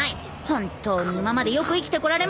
本当に今までよく生きてこられましたね